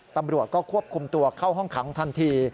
ตำรวจก็ควบคุมตัวเข้าห้องขังทันที